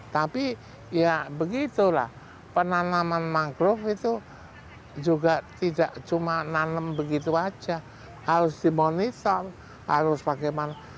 tapi ya begitulah penanaman mangrove itu juga tidak cuma nanam begitu saja harus dimonitor harus bagaimana